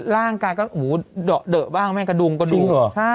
ร่างกายก็เห็นเหมือนกระดูก